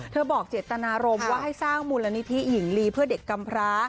บอกเจตนารมณ์ว่าให้สร้างมูลนิธิหญิงลีเพื่อเด็กกำพร้า